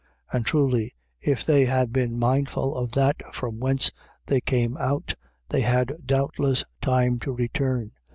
11:15. And truly, if they had been mindful of that from whence they came out, they had doubtless, time to return.